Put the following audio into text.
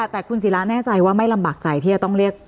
แต่คุณศิราแน่ใจว่าไม่ลำบากใจที่จะต้องเรียก